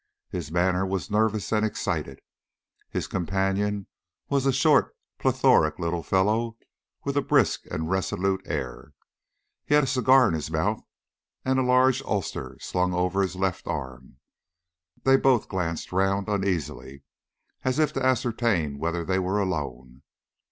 His manner was nervous and excited. His companion was a short plethoric little fellow, with a brisk and resolute air. He had a cigar in his mouth, and a large ulster slung over his left arm. They both glanced round uneasily, as if to ascertain whether they were alone.